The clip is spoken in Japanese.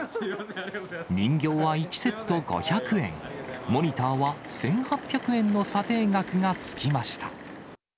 人形は１セット５００円、モニターは１８００円の査定額がつきました。